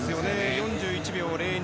４１秒０２。